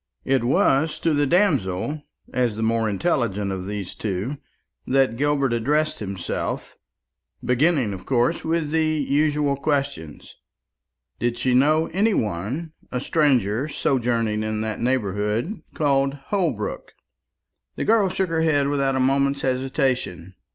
It was to the damsel, as the more intelligent of these two, that Gilbert addressed himself, beginning of course with the usual question. Did she know any one, a stranger, sojourning in that neighbourhood called Holbrook? The girl shook her head without a moment's hesitation.